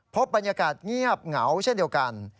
พบบรรยากาศเงียบเหงาเช่นเดียวกัน